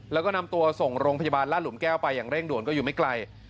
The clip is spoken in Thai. แล้วก็นำตัวส่งโรงพยาบาลลาดหลุมแก้วไปอย่างเร่งด่วนก็อยู่ไม่ไกล